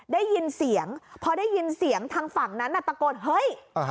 ได้ยินเสียงพอได้ยินเสียงทางฝั่งนั้นน่ะตะโกนเฮ้ย